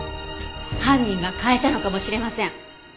犯人が変えたのかもしれません。